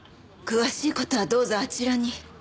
詳しい事はどうぞあちらに。